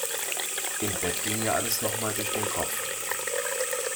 Im Bett ging ihr alles noch mal durch den Kopf.